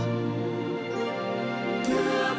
เผื่อพ่อของเรา